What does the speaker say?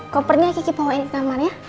kopernya kiki bawain ke kamarnya